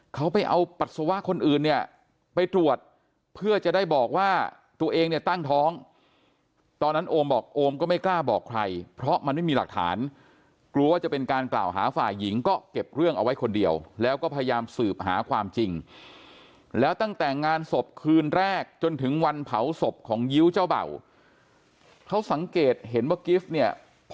เขาไปเอาปัสสาวะคนอื่นเนี่ยไปตรวจเพื่อจะได้บอกว่าตัวเองเนี่ยตั้งท้องตอนนั้นโอมบอกโอมก็ไม่กล้าบอกใครเพราะมันไม่มีหลักฐานกลัวว่าจะเป็นการกล่าวหาฝ่ายหญิงก็เก็บเรื่องเอาไว้คนเดียวแล้วก็พยายามสืบหาความจริงแล้วตั้งแต่งานศพคืนแรกจนถึงวันเผาศพของยิ้วเจ้าเบ่าเขาสังเกตเห็นว่ากิฟต์เนี่ย